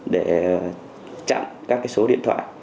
để chặn các số điện thoại